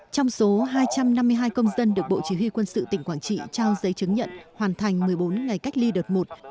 trong số hai trăm năm mươi hai công dân được bộ chỉ huy quân sự tỉnh quảng trị trao giấy chứng nhận hoàn thành một mươi bốn ngày cách ly đợt một